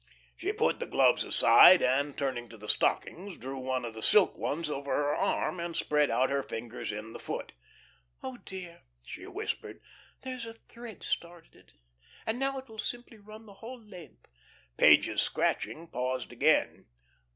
She put the gloves aside, and turning to the stockings drew one of the silk ones over her arm, and spread out her fingers in the foot. "Oh, dear," she whispered, "there's a thread started, and now it will simply run the whole length...." Page's scratching paused again.